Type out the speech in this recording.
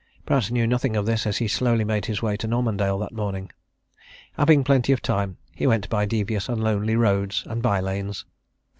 Pratt knew nothing of this as he slowly made his way to Normandale that morning. Having plenty of time he went by devious and lonely roads and by lanes.